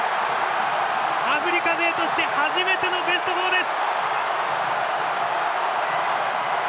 アフリカ勢として初めてのベスト４です！